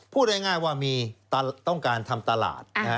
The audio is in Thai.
พูดง่ายว่ามีต้องการทำตลาด